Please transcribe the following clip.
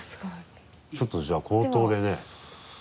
ちょっとじゃあ口答でね。